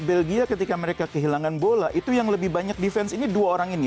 belgia ketika mereka kehilangan bola itu yang lebih banyak defense ini dua orang ini